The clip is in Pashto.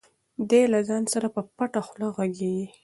دی له ځان سره په پټه خوله غږېږي.